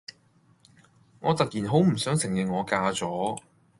我突然好唔想承認我嫁咗